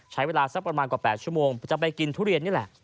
ใช้เวลาสักประมาณกว่า๘ชั่วโมงจะไปกินทุเรียนนี่แหละ